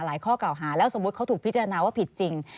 ข้อกล่าวหาแล้วสมมุติเขาถูกพิจารณาว่าผิดจริง